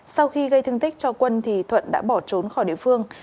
sau khi gây thương tích cho quân thì thuận đã bỏ trốn khỏi địa phương